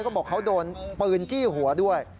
ก็บอกเขาโดนปืนจี้หัวด้วย